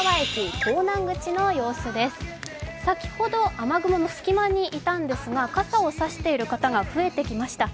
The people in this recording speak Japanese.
先ほど雨雲の隙間にいたんですが、傘を差している方が増えてきました。